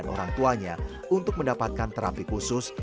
yang terakhir adalah mendapatkan terapi khusus